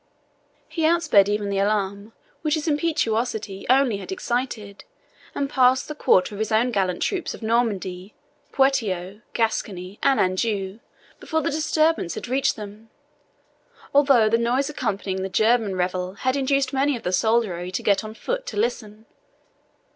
He outsped even the alarm which his impetuosity only had excited, and passed the quarter of his own gallant troops of Normandy, Poitou, Gascony, and Anjou before the disturbance had reached them, although the noise accompanying the German revel had induced many of the soldiery to get on foot to listen.